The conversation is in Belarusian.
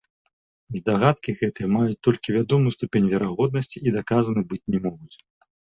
Здагадкі гэтыя маюць толькі вядомую ступень верагоднасці і даказаны быць не могуць.